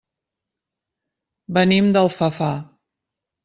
Venim d'Alfafar.